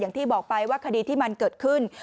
อย่างที่บอกไปว่าคดีที่มันเกิดขึ้น